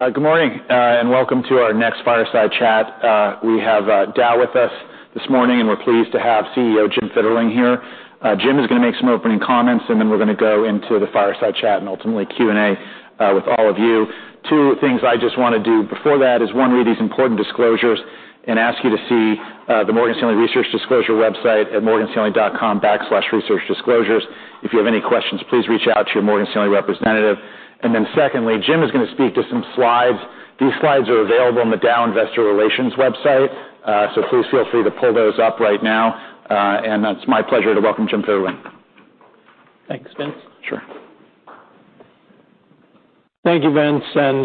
Good morning, and welcome to our next Fireside Chat. We have Dow with us this morning, and we're pleased to have CEO Jim Fitterling here. Jim is gonna make some opening comments, and then we're gonna go into the Fireside Chat and ultimately Q&A with all of you. Two things I just wanna do before that is, one, read these important disclosures and ask you to see the Morgan Stanley Research Disclosure website at morganstanley.com/researchdisclosures. If you have any questions, please reach out to your Morgan Stanley representative. And then secondly, Jim is gonna speak to some slides. These slides are available on the Dow Investor Relations website, so please feel free to pull those up right now, and it's my pleasure to welcome Jim Fitterling. Thanks, Vince. Sure. Thank you, Vince, and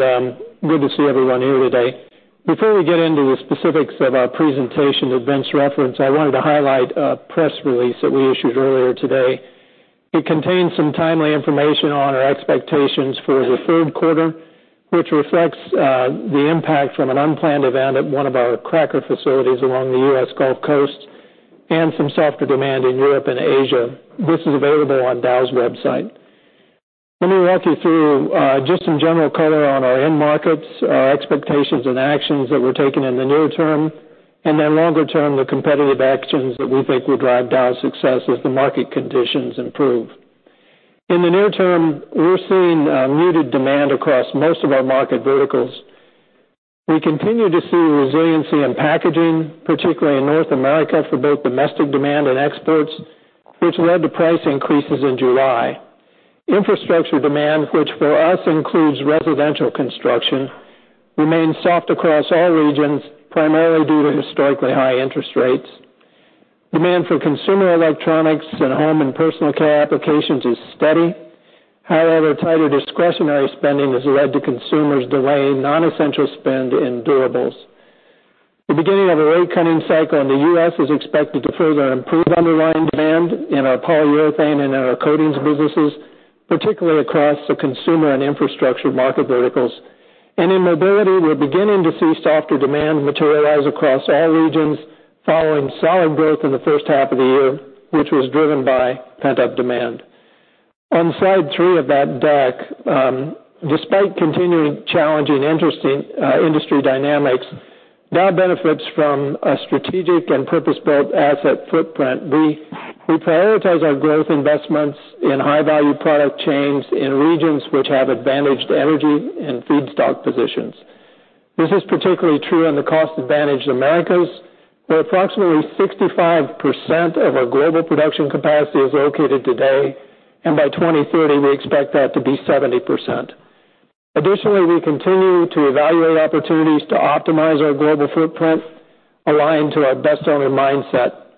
good to see everyone here today. Before we get into the specifics of our presentation that Vince referenced, I wanted to highlight a press release that we issued earlier today. It contains some timely information on our expectations for the third quarter, which reflects the impact from an unplanned event at one of our cracker facilities along the U.S. Gulf Coast and some softer demand in Europe and Asia. This is available on Dow's website. Let me walk you through just some general color on our end markets, our expectations and actions that we're taking in the near term, and then longer term, the competitive actions that we think will drive Dow's success as the market conditions improve. In the near term, we're seeing muted demand across most of our market verticals. We continue to see resiliency in packaging, particularly in North America, for both domestic demand and exports, which led to price increases in July. Infrastructure demand, which for us includes residential construction, remains soft across all regions, primarily due to historically high interest rates. Demand for consumer electronics and home and personal care applications is steady. However, tighter discretionary spending has led to consumers delaying non-essential spend in durables. The beginning of a rate-cutting cycle in the U.S. is expected to further improve underlying demand in our polyurethane and in our coatings businesses, particularly across the consumer and infrastructure market verticals, and in mobility, we're beginning to see softer demand materialize across all regions, following solid growth in the first half of the year, which was driven by pent-up demand. On slide three of that deck, despite continuing, challenging, interesting industry dynamics, Dow benefits from a strategic and purpose-built asset footprint. We prioritize our growth investments in high-value product chains in regions which have advantaged energy and feedstock positions. This is particularly true in the cost-advantaged Americas, where approximately 65% of our global production capacity is located today, and by 2030, we expect that to be 70%. Additionally, we continue to evaluate opportunities to optimize our global footprint, aligned to our best owner mindset.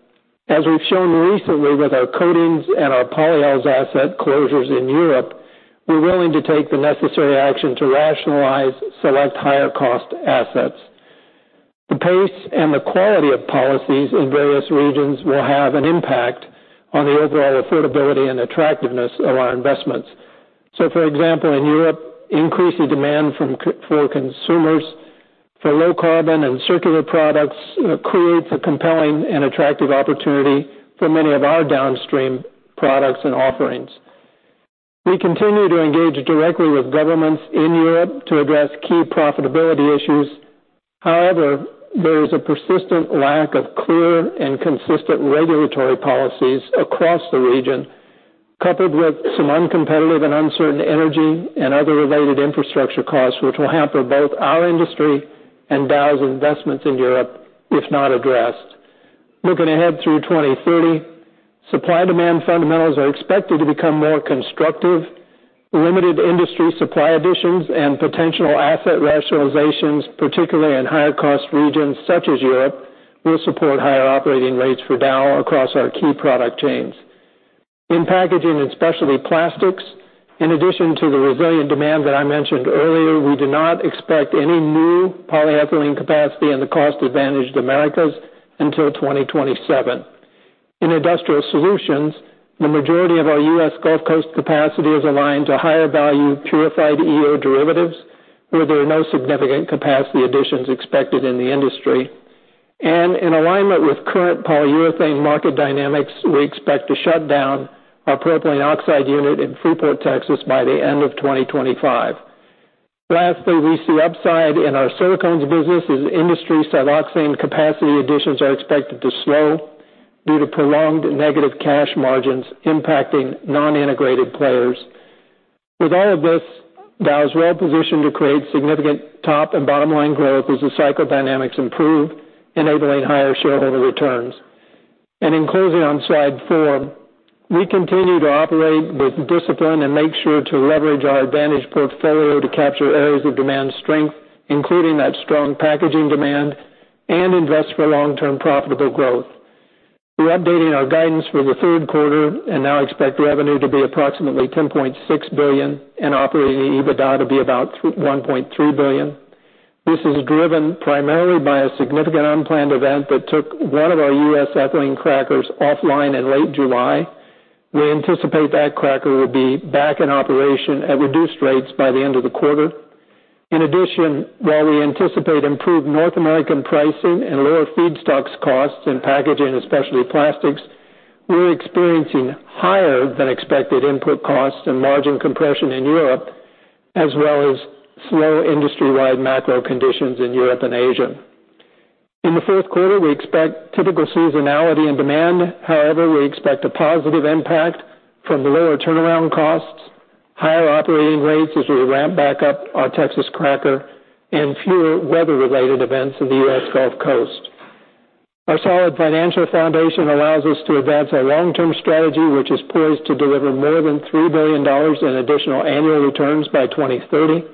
As we've shown recently with our coatings and our polyols asset closures in Europe, we're willing to take the necessary action to rationalize select higher-cost assets. The pace and the quality of policies in various regions will have an impact on the overall affordability and attractiveness of our investments. So for example, in Europe, increasing demand from consumers for low carbon and circular products creates a compelling and attractive opportunity for many of our downstream products and offerings. We continue to engage directly with governments in Europe to address key profitability issues. However, there is a persistent lack of clear and consistent regulatory policies across the region, coupled with some uncompetitive and uncertain energy and other related infrastructure costs, which will hamper both our industry and Dow's investments in Europe if not addressed. Looking ahead through 2030, supply-demand fundamentals are expected to become more constructive. Limited industry supply additions and potential asset rationalizations, particularly in higher-cost regions such as Europe, will support higher operating rates for Dow across our key product chains. In Packaging & Specialty Plastics, in addition to the resilient demand that I mentioned earlier, we do not expect any new polyethylene capacity in the cost-advantaged Americas until 2027. In Industrial Solutions, the majority of our U.S. Gulf Coast capacity is aligned to higher-value, purified EO derivatives, where there are no significant capacity additions expected in the industry, and in alignment with current polyurethane market dynamics, we expect to shut down our propylene oxide unit in Freeport, Texas, by the end of 2025. Lastly, we see upside in our silicones business as industry siloxane capacity additions are expected to slow due to prolonged negative cash margins impacting non-integrated players. With all of this, Dow is well positioned to create significant top and bottom-line growth as the cycle dynamics improve, enabling higher shareholder returns. And in closing on slide four, we continue to operate with discipline and make sure to leverage our advantaged portfolio to capture areas of demand strength, including that strong packaging demand, and invest for long-term profitable growth. We're updating our guidance for the third quarter and now expect revenue to be approximately $10.6 billion, and operating EBITDA to be about one point three billion. This is driven primarily by a significant unplanned event that took one of our U.S. ethylene crackers offline in late July. We anticipate that cracker will be back in operation at reduced rates by the end of the quarter. In addition, while we anticipate improved North American pricing and lower feedstocks costs in Packaging & Specialty Plastics, we're experiencing higher than expected input costs and margin compression in Europe, as well as slower industry-wide macro conditions in Europe and Asia. In the fourth quarter, we expect typical seasonality and demand. However, we expect a positive impact from the lower turnaround costs, higher operating rates as we ramp back up our Texas cracker, and fewer weather-related events in the U.S. Gulf Coast. Our solid financial foundation allows us to advance our long-term strategy, which is poised to deliver more than $3 billion in additional annual returns by 2030.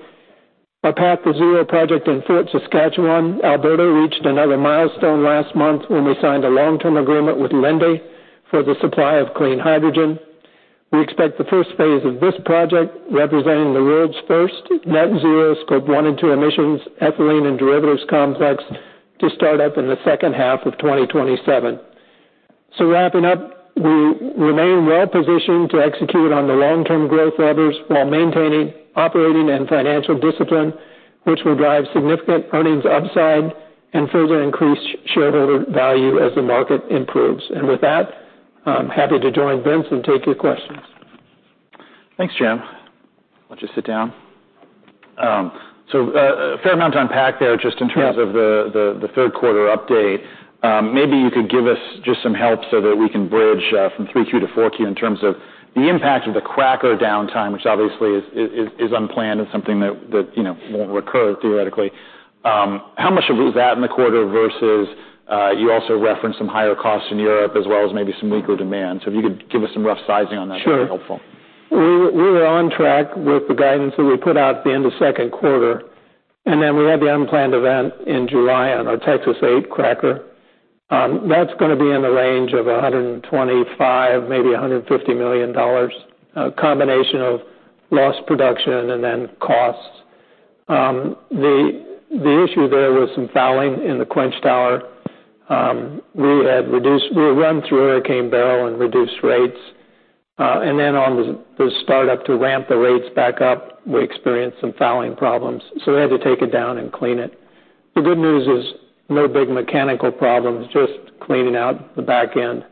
Our Path2Zero project in Fort Saskatchewan, Alberta, reached another milestone last month when we signed a long-term agreement with Linde for the supply of clean hydrogen. We expect the first phase of this project, representing the world's first net-zero Scope 1 and 2 emissions ethylene and derivatives complex, to start up in the second half of 2027. So wrapping up, we remain well positioned to execute on the long-term growth levers while maintaining operating and financial discipline, which will drive significant earnings upside and further increase shareholder value as the market improves. And with that, I'm happy to join Vince and take your questions. Thanks, Jim. Why don't you sit down? So, a fair amount to unpack there, just in terms- Yeah... of the third quarter update. Maybe you could give us just some help so that we can bridge from 3Q to 4Q in terms of the impact of the cracker downtime, which obviously is unplanned and something that you know won't recur, theoretically. How much of it was that in the quarter versus you also referenced some higher costs in Europe, as well as maybe some weaker demand. So if you could give us some rough sizing on that, that'd be helpful. Sure. We were on track with the guidance that we put out at the end of second quarter, and then we had the unplanned event in July on our Texas 8 cracker. That's gonna be in the range of $125 million-$150 million, a combination of lost production and then costs. The issue there was some fouling in the quench tower. We had reduced rates. We ran through Hurricane Beryl and reduced rates, and then on the startup to ramp the rates back up, we experienced some fouling problems, so we had to take it down and clean it. The good news is no big mechanical problems, just cleaning out the back end.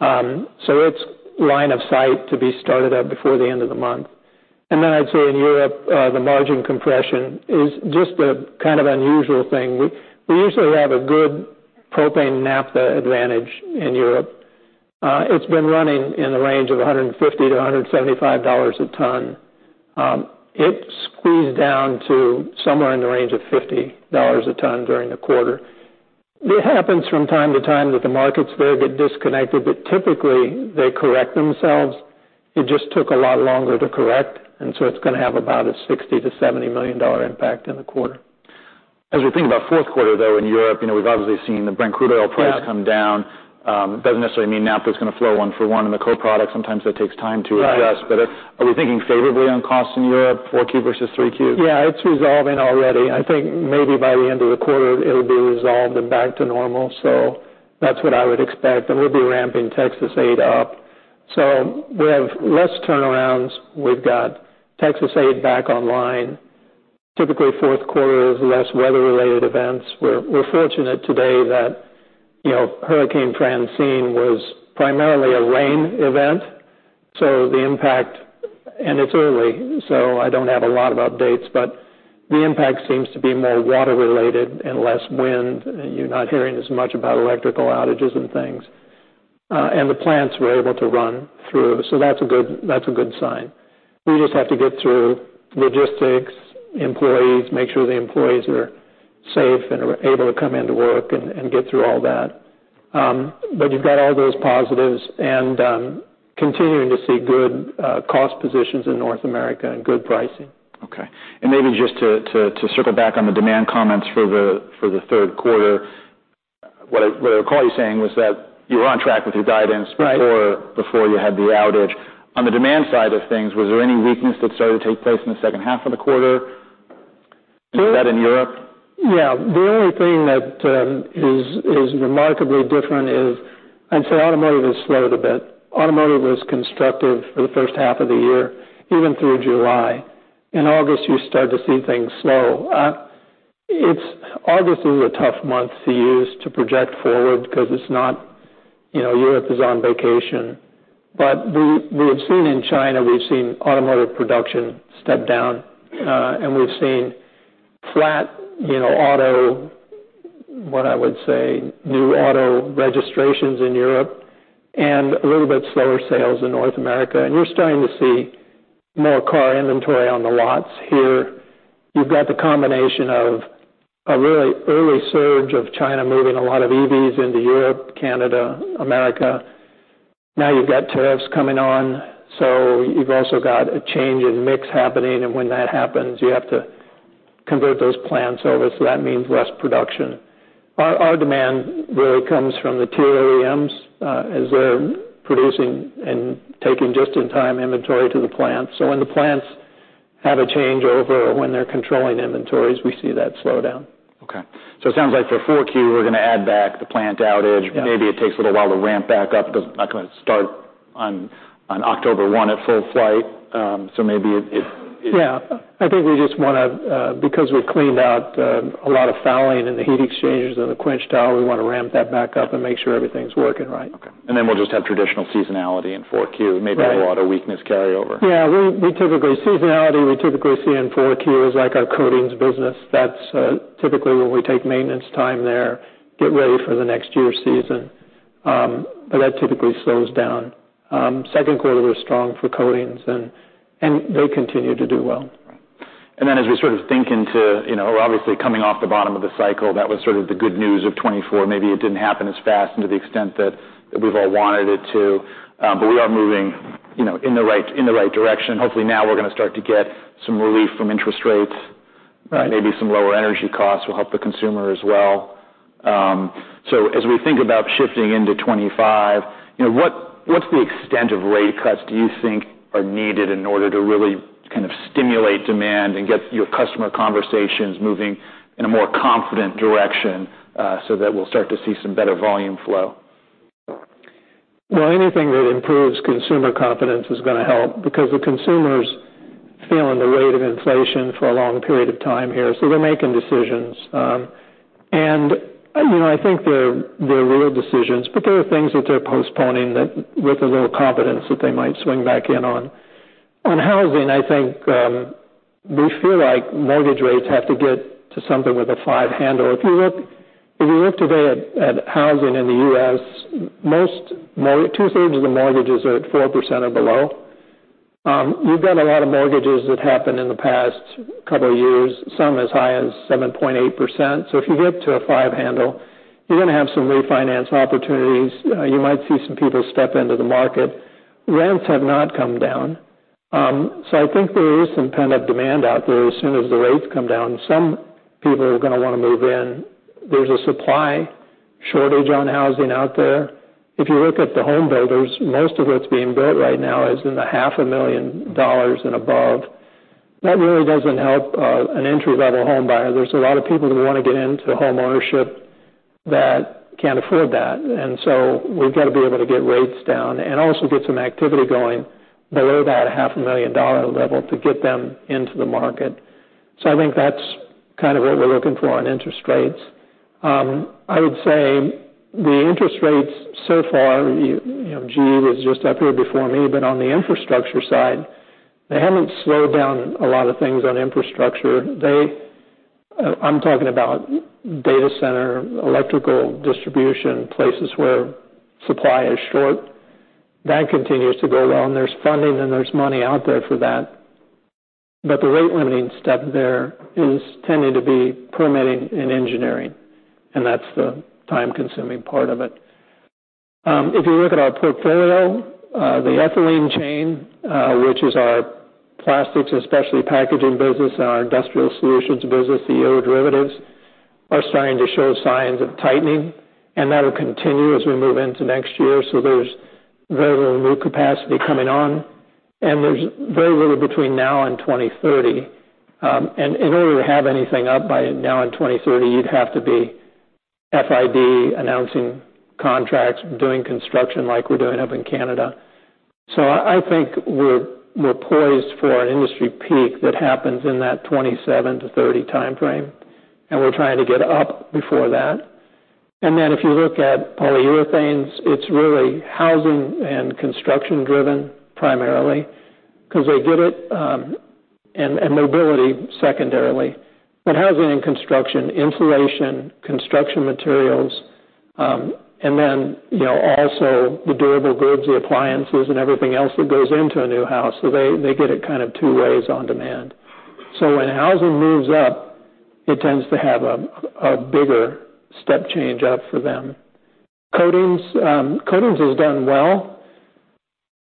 So it's line of sight to be started up before the end of the month. Then I'd say in Europe, the margin compression is just a kind of unusual thing. We usually have a good propane naphtha advantage in Europe. It's been running in the range of $150-$175 a ton. It squeezed down to somewhere in the range of $50 a ton during the quarter. It happens from time to time that the markets there get disconnected, but typically, they correct themselves. It just took a lot longer to correct, and so it's gonna have about a $60-$70 million impact in the quarter. As we think about fourth quarter, though, in Europe, you know, we've obviously seen the Brent crude oil price- Yeah... come down. Doesn't necessarily mean naphtha is gonna flow on for one in the co-product. Sometimes that takes time to adjust. Right. But are we thinking favorably on costs in Europe, 4Q versus 3Q? Yeah, it's resolving already. I think maybe by the end of the quarter, it'll be resolved and back to normal. So that's what I would expect, and we'll be ramping Texas 8 up. So we have less turnarounds. We've got Texas 8 back online. Typically, fourth quarter is less weather-related events. We're fortunate today that, you know, Hurricane Francine was primarily a rain event, so the impact. It's early, so I don't have a lot of updates, but the impact seems to be more water-related and less wind. You're not hearing as much about electrical outages and things. And the plants were able to run through, so that's a good sign. We just have to get through logistics, employees, make sure the employees are safe and are able to come in to work and get through all that. But you've got all those positives and continuing to see good cost positions in North America and good pricing. Okay. And maybe just to circle back on the demand comments for the third quarter. What I recall you saying was that you were on track with your guidance- Right... before you had the outage. On the demand side of things, was there any weakness that started to take place in the second half of the quarter, and was that in Europe? Yeah. The only thing that is remarkably different is, I'd say automotive has slowed a bit. Automotive was constructive for the first half of the year, even through July. In August, you start to see things slow. August is a tough month to use to project forward because it's not, you know, Europe is on vacation. But we have seen in China, we've seen automotive production step down, and we've seen flat, you know, auto, what I would say, new auto registrations in Europe and a little bit slower sales in North America. And we're starting to see more car inventory on the lots here. You've got the combination of a really early surge of China moving a lot of EVs into Europe, Canada, America. Now you've got tariffs coming on, so you've also got a change in mix happening, and when that happens, you have to convert those plants over, so that means less production. Our demand really comes from the tier OEMs as they're producing and taking just-in-time inventory to the plants. So when the plants have a changeover or when they're controlling inventories, we see that slow down. Okay, so it sounds like for 4Q, we're gonna add back the plant outage. Yeah. Maybe it takes a little while to ramp back up, because not gonna start on October one at full flight. So maybe it. Yeah, I think we just want to, because we've cleaned out a lot of fouling in the heat exchangers and the quench tower, we want to ramp that back up and make sure everything's working right. Okay, and then we'll just have traditional seasonality in 4Q. Right. Maybe a lot of weakness carryover. Yeah, we typically-- seasonality, we typically see in Q4 is like our coatings business. That's typically, when we take maintenance time there, get ready for the next year's season, but that typically slows down. Second quarter was strong for coatings, and they continue to do well. And then as we sort of think into, you know, obviously, coming off the bottom of the cycle, that was sort of the good news of 2024. Maybe it didn't happen as fast and to the extent that we've all wanted it to, but we are moving, you know, in the right direction. Hopefully, now we're gonna start to get some relief from interest rates. Right. Maybe some lower energy costs will help the consumer as well. So as we think about shifting into 2025, you know, what's the extent of rate cuts do you think are needed in order to really kind of stimulate demand and get your customer conversations moving in a more confident direction, so that we'll start to see some better volume flow? Anything that improves consumer confidence is gonna help because the consumer's feeling the rate of inflation for a long period of time here, so they're making decisions. And, you know, I think they're real decisions, but there are things that they're postponing that, with a little confidence, that they might swing back in on. On housing, I think we feel like mortgage rates have to get to something with a five handle. If you look today at housing in the U.S., most mortgages—two-thirds of the mortgages are at 4% or below. You've got a lot of mortgages that happened in the past couple of years, some as high as 7.8%. So if you get to a five handle, you're gonna have some refinance opportunities. You might see some people step into the market. Rents have not come down, so I think there is some pent-up demand out there as soon as the rates come down. Some people are gonna want to move in. There's a supply shortage on housing out there. If you look at the homebuilders, most of what's being built right now is in the $500,000 and above. That really doesn't help an entry-level homebuyer. There's a lot of people who want to get into homeownership that can't afford that. And so we've got to be able to get rates down and also get some activity going below that $500,000 level to get them into the market. So I think that's kind of what we're looking for on interest rates. I would say the interest rates so far, you know, GE was just up here before me, but on the infrastructure side, they haven't slowed down a lot of things on infrastructure. I'm talking about data center, electrical distribution, places where supply is short. That continues to go well, and there's funding, and there's money out there for that. But the rate-limiting step there is tending to be permitting and engineering, and that's the time-consuming part of it. If you look at our portfolio, the ethylene chain, which is our plastics, especially packaging business and our Industrial Solutions business, the EO derivatives, are starting to show signs of tightening, and that'll continue as we move into next year. So there's very little new capacity coming on, and there's very little between now and 2030. And in order to have anything up by 2020 and 2030, you'd have to be FID, announcing contracts, doing construction like we're doing up in Canada. So I think we're poised for an industry peak that happens in that 2027-2030 timeframe, and we're trying to get up before that. And then if you look at polyurethanes, it's really housing and construction driven primarily, because they get it, and mobility secondarily. But housing and construction, insulation, construction materials, and then, you know, also the durable goods, the appliances, and everything else that goes into a new house. So they get it kind of two ways on demand. So when housing moves up, it tends to have a bigger step change up for them. Coatings has done well,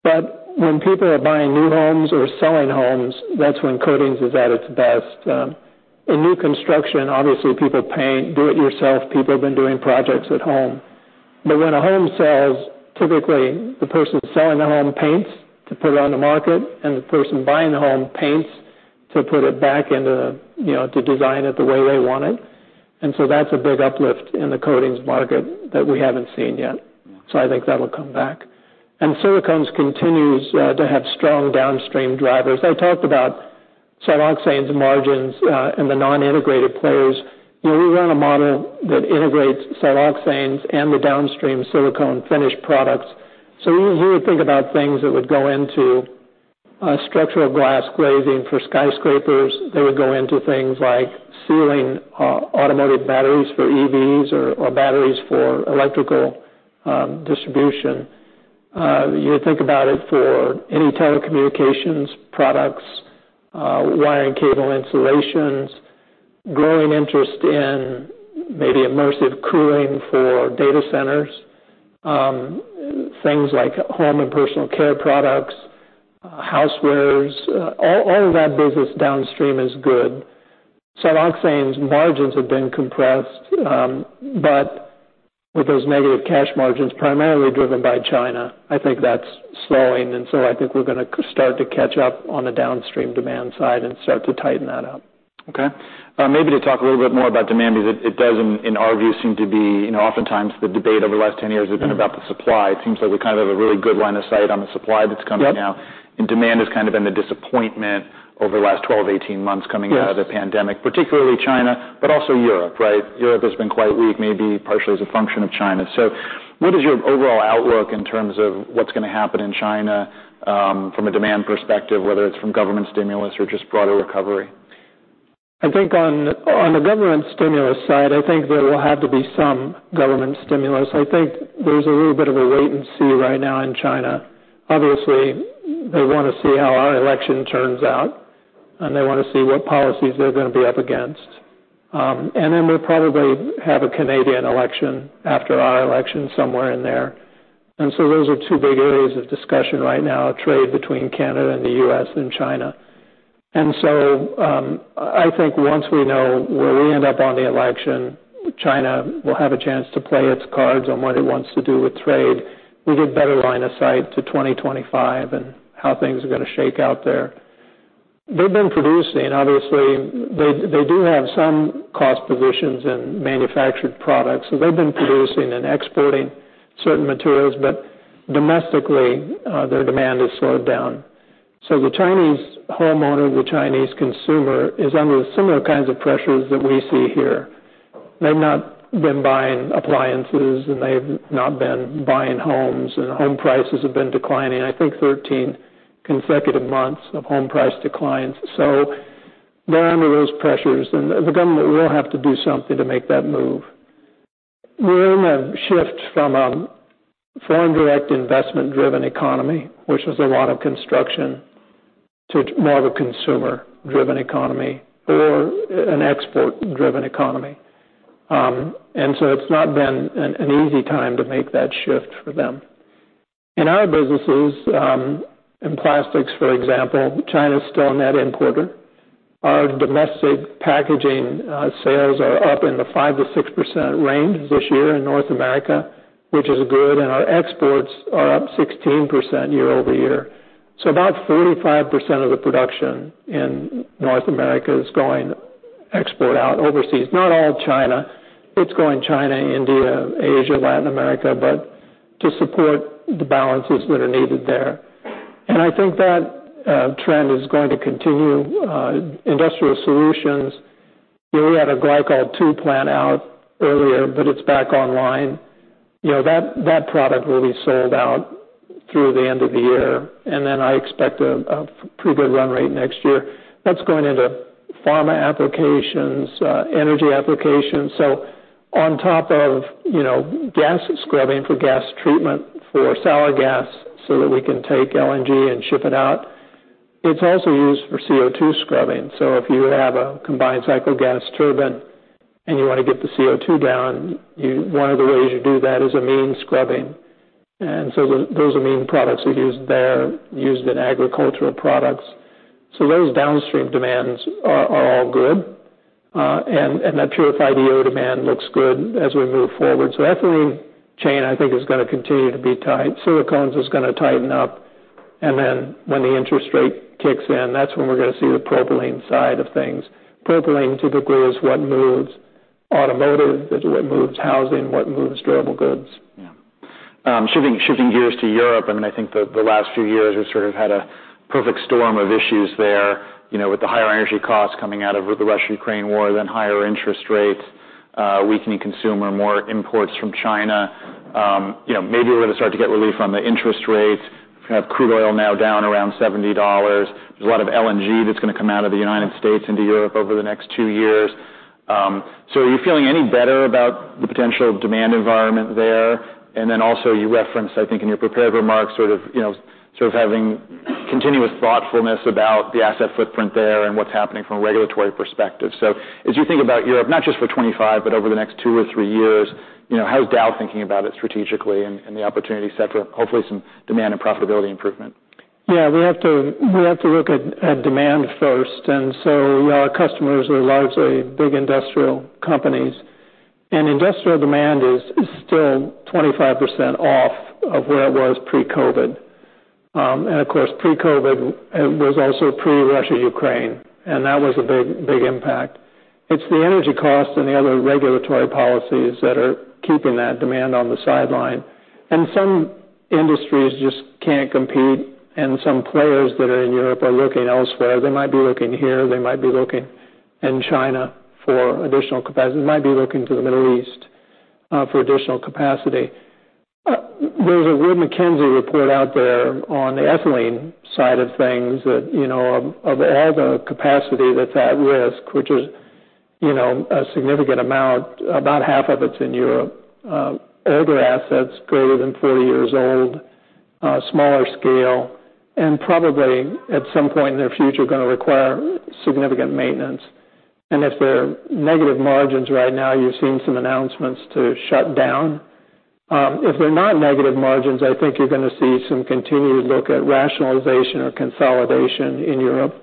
but when people are buying new homes or selling homes, that's when coatings is at its best. In new construction, obviously, people paint do-it-yourself. People have been doing projects at home. But when a home sells, typically the person selling the home paints to put it on the market, and the person buying the home paints to put it back into, you know, to design it the way they want it. So that's a big uplift in the coatings market that we haven't seen yet. Mm. I think that'll come back. Silicones continues to have strong downstream drivers. I talked about siloxanes margins and the non-integrated players. You know, we run a model that integrates siloxanes and the downstream silicone finished products. You would think about things that would go into structural glass glazing for skyscrapers. They would go into things like sealing automotive batteries for EVs or batteries for electrical distribution. You would think about it for any telecommunications products, wiring, cable insulations, growing interest in maybe immersive cooling for data centers, things like home and personal care products, housewares, all of that business downstream is good. Siloxanes margins have been compressed, but with those negative cash margins, primarily driven by China, I think that's slowing, and so I think we're gonna start to catch up on the downstream demand side and start to tighten that up.... Okay. Maybe to talk a little bit more about demand, because it does, in our view, seem to be, you know, oftentimes the debate over the last 10 years has been about the supply. It seems like we kind of have a really good line of sight on the supply that's coming now. Yep. Demand has kind of been the disappointment over the last 12-18 months- Yes coming out of the pandemic, particularly China, but also Europe, right? Europe has been quite weak, maybe partially as a function of China. So what is your overall outlook in terms of what's gonna happen in China, from a demand perspective, whether it's from government stimulus or just broader recovery? I think on the government stimulus side, I think there will have to be some government stimulus. I think there's a little bit of a wait and see right now in China. Obviously, they wanna see how our election turns out, and they wanna see what policies they're gonna be up against, and then we'll probably have a Canadian election after our election, somewhere in there, and so those are two big areas of discussion right now: trade between Canada, and the US, and China, and so I think once we know where we end up on the election, China will have a chance to play its cards on what it wants to do with trade. We'll get better line of sight to 2025 and how things are gonna shake out there. They've been producing. Obviously, they do have some cost positions in manufactured products, so they've been producing and exporting certain materials, but domestically, their demand has slowed down. So the Chinese homeowner, the Chinese consumer, is under similar kinds of pressures that we see here. They've not been buying appliances, and they've not been buying homes, and home prices have been declining, I think, 13 consecutive months of home price declines. So they're under those pressures, and the government will have to do something to make that move. We're in a shift from a foreign direct investment-driven economy, which is a lot of construction, to more of a consumer-driven economy or an export-driven economy. And so it's not been an easy time to make that shift for them. In our businesses, in plastics, for example, China's still a net importer. Our domestic packaging sales are up in the 5-6% range this year in North America, which is good, and our exports are up 16% year over year, so about 45% of the production in North America is going export out overseas. Not all China. It's going China, India, Asia, Latin America, but to support the balances that are needed there, and I think that trend is going to continue. Industrial solutions, you know, we had a Glycol 2 plant out earlier, but it's back online. You know, that product will be sold out through the end of the year, and then I expect a pretty good run rate next year. That's going into pharma applications, energy applications. So on top of, you know, gas scrubbing for gas treatment, for sour gas, so that we can take LNG and ship it out, it's also used for CO2 scrubbing. So if you have a combined cycle gas turbine, and you want to get the CO2 down, you one of the ways you do that is amine scrubbing. And so those amine products are used there, used in agricultural products. So those downstream demands are all good. And that purified EO demand looks good as we move forward. So ethylene chain, I think, is gonna continue to be tight. Silicones is gonna tighten up, and then when the interest rate kicks in, that's when we're gonna see the propylene side of things. Propylene typically is what moves automotive, it's what moves housing, what moves durable goods. Yeah. Shifting gears to Europe, I mean, I think the last few years, we've sort of had a perfect storm of issues there, you know, with the higher energy costs coming out of the Russia-Ukraine war, then higher interest rates, weakening consumer, more imports from China. You know, maybe we're gonna start to get relief on the interest rates. We have crude oil now down around $70. There's a lot of LNG that's gonna come out of the United States into Europe over the next two years. So are you feeling any better about the potential demand environment there? And then also, you referenced, I think in your prepared remarks, sort of, you know, sort of having continuous thoughtfulness about the asset footprint there and what's happening from a regulatory perspective. So as you think about Europe, not just for 2025, but over the next two or three years, you know, how is Dow thinking about it strategically and the opportunity set for, hopefully, some demand and profitability improvement? Yeah, we have to look at demand first, and so our customers are largely big industrial companies. And industrial demand is still 25% off of where it was pre-COVID. And of course, pre-COVID was also pre-Russia-Ukraine, and that was a big, big impact. It's the energy costs and the other regulatory policies that are keeping that demand on the sideline. And some industries just can't compete, and some players that are in Europe are looking elsewhere. They might be looking here, they might be looking in China for additional capacity. They might be looking to the Middle East for additional capacity. There's a Wood Mackenzie report out there on the ethylene side of things that, you know, of all the capacity that's at risk, which is, you know, a significant amount, about half of it's in Europe. Older assets, greater than forty years old, smaller scale, and probably, at some point in their future, gonna require significant maintenance. And if they're negative margins right now, you've seen some announcements to shut down. If they're not negative margins, I think you're gonna see some continued look at rationalization or consolidation in Europe.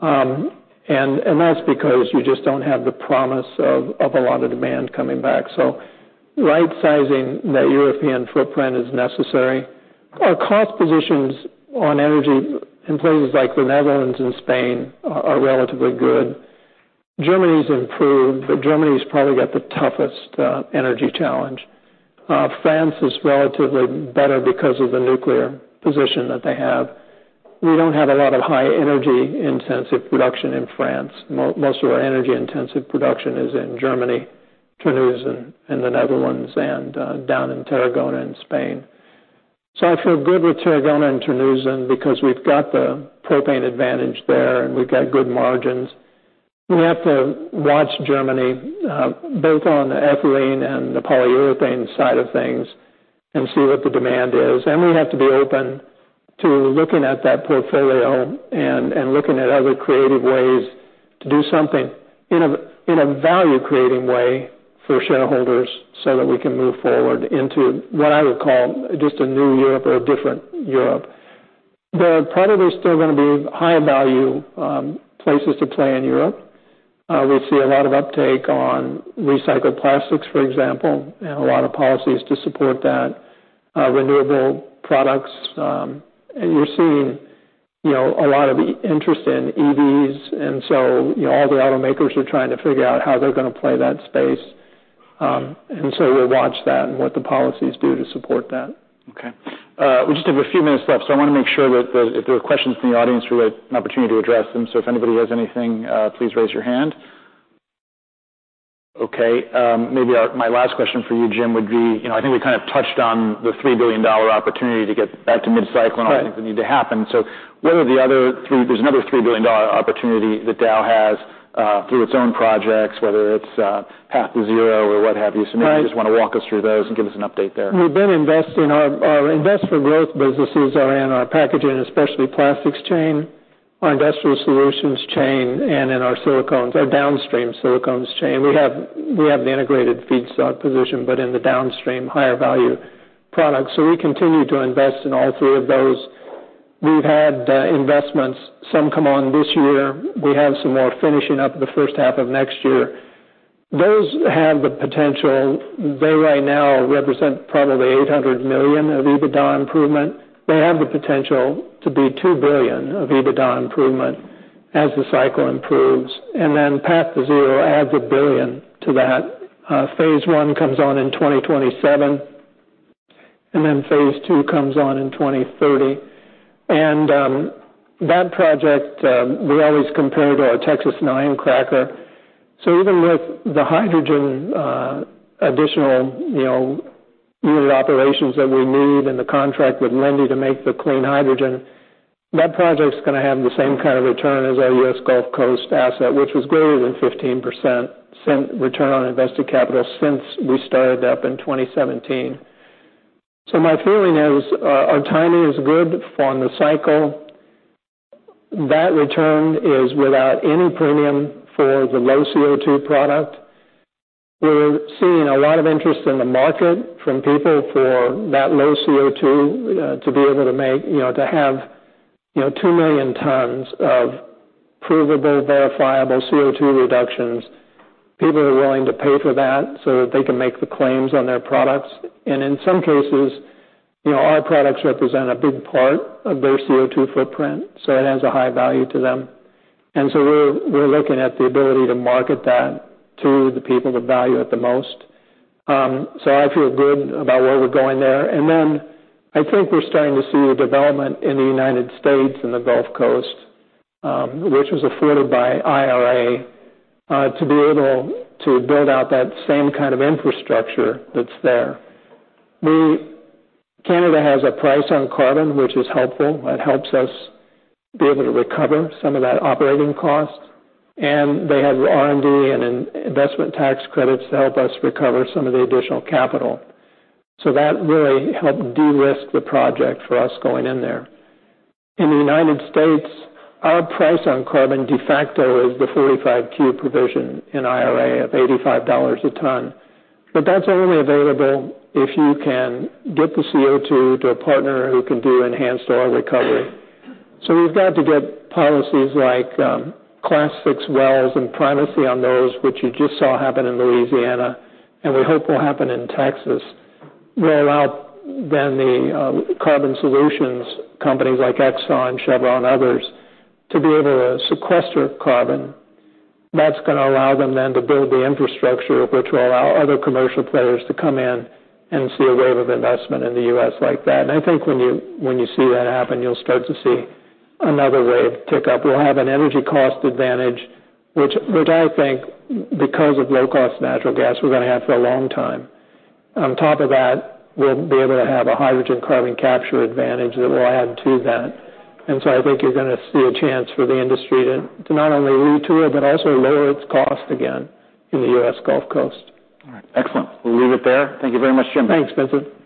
And that's because you just don't have the promise of a lot of demand coming back. Right sizing that European footprint is necessary. Our cost positions on energy in places like the Netherlands and Spain are relatively good. Germany's improved, but Germany's probably got the toughest energy challenge. France is relatively better because of the nuclear position that they have. We don't have a lot of high energy intensive production in France. Most of our energy intensive production is in Germany, Terneuzen, in the Netherlands, and down in Tarragona, in Spain. So I feel good with Tarragona and Terneuzen because we've got the propane advantage there, and we've got good margins. We have to watch Germany both on the ethylene and the polyurethane side of things and see what the demand is. And we have to be open to looking at that portfolio and looking at other creative ways to do something in a value-creating way for shareholders, so that we can move forward into what I would call just a new Europe or a different Europe. There are probably still gonna be high value places to play in Europe. We see a lot of uptake on recycled plastics, for example, and a lot of policies to support that, renewable products. And you're seeing, you know, a lot of interest in EVs, and so, you know, all the automakers are trying to figure out how they're gonna play that space. And so we'll watch that and what the policies do to support that. Okay. We just have a few minutes left, so I wanna make sure that if there are questions from the audience, we have an opportunity to address them. So if anybody has anything, please raise your hand. Okay, maybe my last question for you, Jim, would be, you know, I think we kind of touched on the $3 billion opportunity to get back to mid-cycle- Right -and all the things that need to happen. So what are the other three... There's another three billion dollar opportunity that Dow has through its own projects, whether it's Path2Zero or what have you. Right. So maybe you just wanna walk us through those and give us an update there. We've been investing. Our investment growth businesses are in our packaging, especially plastics chain, our Industrial Solutions chain, and in our silicones, our downstream silicones chain. We have the integrated feedstock position, but in the downstream, higher value products. So we continue to invest in all three of those. We've had investments. Some come on this year. We have some more finishing up in the first half of next year. Those have the potential. They, right now, represent probably $800 million of EBITDA improvement. They have the potential to be $2 billion of EBITDA improvement as the cycle improves, and then Path2Zero adds $1 billion to that. Phase one comes on in 2027, and then phase two comes on in 2030. That project, we always compare to our Texas 9 cracker. So even with the hydrogen, additional, you know, unit operations that we need and the contract with Linde to make the clean hydrogen, that project's gonna have the same kind of return as our U.S. Gulf Coast asset, which was greater than 15% return on invested capital since we started up in 2017. So my feeling is, our timing is good on the cycle. That return is without any premium for the low CO2 product. We're seeing a lot of interest in the market from people for that low CO2, to be able to make, you know, to have, you know, two million tons of provable, verifiable CO2 reductions. People are willing to pay for that so that they can make the claims on their products. And in some cases, you know, our products represent a big part of their CO2 footprint, so it has a high value to them. And so we're looking at the ability to market that to the people that value it the most. So I feel good about where we're going there. And then I think we're starting to see a development in the United States and the Gulf Coast, which was afforded by IRA, to be able to build out that same kind of infrastructure that's there. Canada has a price on carbon, which is helpful. It helps us be able to recover some of that operating cost, and they have R&D and investment tax credits to help us recover some of the additional capital. So that really helped de-risk the project for us going in there. In the United States, our price on carbon, de facto, is the 45Q provision in IRA of $85 a ton, but that's only available if you can get the CO2 to a partner who can do enhanced oil recovery. So we've got to get policies like Class VI wells and primacy on those, which you just saw happen in Louisiana, and we hope will happen in Texas, will allow then the carbon solutions companies like Exxon, Chevron, others, to be able to sequester carbon. That's gonna allow them then to build the infrastructure, which will allow other commercial players to come in and see a wave of investment in the U.S. like that, and I think when you see that happen, you'll start to see another wave tick up. We'll have an energy cost advantage, which I think because of low-cost natural gas, we're gonna have for a long time. On top of that, we'll be able to have a hydrogen carbon capture advantage that will add to that. And so I think you're gonna see a chance for the industry to not only retool, but also lower its cost again in the U.S. Gulf Coast. All right. Excellent. We'll leave it there. Thank you very much, Jim. Thanks, Vincent.